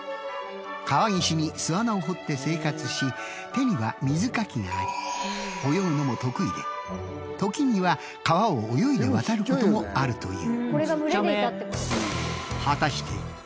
川岸に巣穴を掘って生活し手には水かきがあり泳ぐのも得意で時には川を泳いで渡ることもあるという。